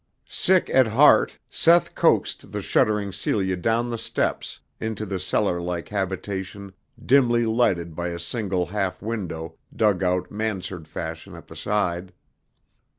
Sick at heart, Seth coaxed the shuddering Celia down the steps into the cellar like habitation dimly lighted by a single half window dug out mansard fashion at the side.